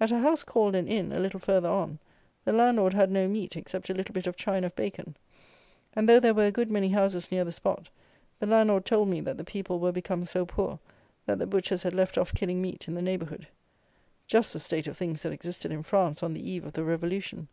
At a house called an inn, a little further on, the landlord had no meat except a little bit of chine of bacon; and though there were a good many houses near the spot, the landlord told me that the people were become so poor that the butchers had left off killing meat in the neighbourhood. Just the state of things that existed in France on the eve of the Revolution.